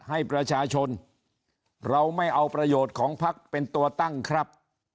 ให้ประชาชนเราไม่เอาประโยชน์ของพักเป็นตัวตั้งครับ